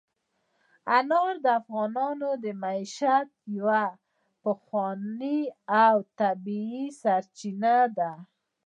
انار د افغانانو د معیشت یوه پخوانۍ او طبیعي سرچینه ده.